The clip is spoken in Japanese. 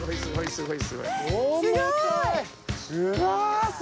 すごい。